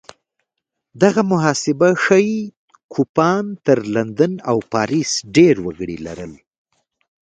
دغه محاسبه ښيي کوپان تر لندن او پاریس ډېر وګړي لرل.